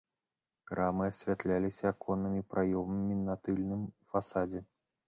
Крамы асвятляліся аконнымі праёмамі на тыльным фасадзе.